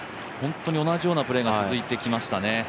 本当に同じようなプレーが続いてきましたね。